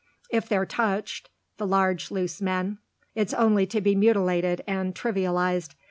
If they're touched the large loose men it's only to be mutilated and trivialised.